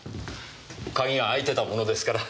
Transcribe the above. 鍵が開いてたものですから。